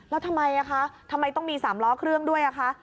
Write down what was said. แล้วทำไมคะทำไมต้องมี๓ล้อเครื่องด้วยอะคะ